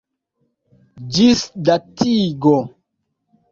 ĝisdatigo